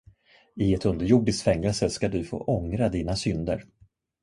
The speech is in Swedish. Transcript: I ett underjordiskt fängelse skall du få ångra dina synder.